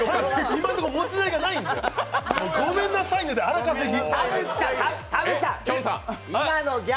今のところ餅代がないんで、ごめんなさいで荒稼ぎ。